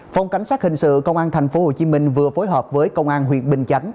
phòng cảnh sát hình sự công an tp hcm vừa phối hợp với công an huyện bình chánh